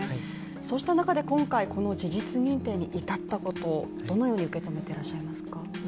そうした中で今回、この事実認定に至ったこと、どのように受け止めていらっしゃいますか。